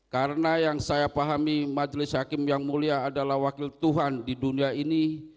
karena yang saya pahami majelis hakim yang mulia adalah wakil tuhan di dunia ini